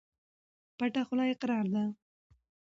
پټه خوله اقرار ده.